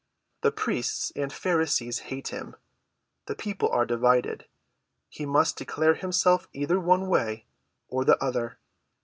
The priests and Pharisees hate him. The people are divided. He must declare himself either one way or the other.